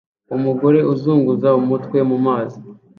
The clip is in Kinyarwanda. umugore azunguza umutwe mu mazi